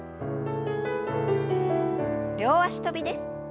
両脚跳びです。